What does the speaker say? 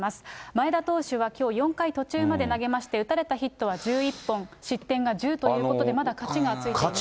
前田投手はきょう４回途中まで投げまして、打たれたヒットは１１本、失点が１０ということで、まだ勝ちがついてません。